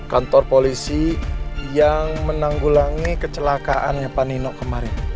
kantor polisi yang menanggulangi kecelakaannya pak nino kemarin